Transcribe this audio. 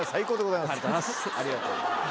ありがとうございます。